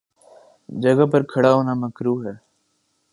جگہ پر کھڑا ہونا مکروہ ہے۔